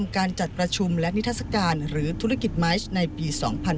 การจัดประชุมและนิทัศกาลหรือธุรกิจไม้ในปี๒๕๕๙